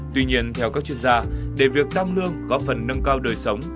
tuy nhiên theo các chuyên gia để việc tăng lương có phần nâng cao đời sống